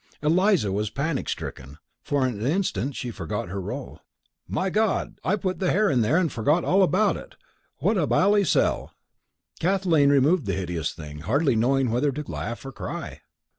Eliza was panic stricken, and for an instant forgot her role. "My God! I put the hare in there and forgot all about it. What a bally sell!" Kathleen removed the hideous thing, hardly knowing whether to laugh or cry.